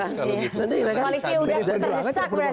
koalisi sudah terdesak berarti